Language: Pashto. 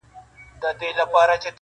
دا دنیا له هر بنده څخه پاتیږي-